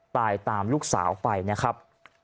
ตามลูกสาวไปนะครับ